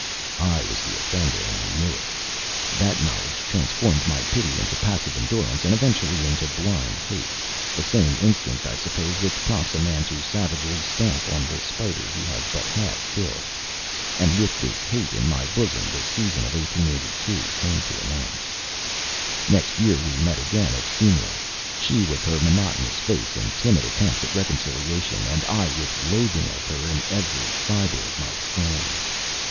I was the offender, and I knew it. That knowledge transformed my pity into passive endurance, and, eventually, into blind hate the same instinct, I suppose, which prompts a man to savagely stamp on the spider he has but half killed. And with this hate in my bosom the season of 1882 came to an end. Next year we met again at Simla she with her monotonous face and timid attempts at reconciliation, and I with loathing of her in every fibre of my frame.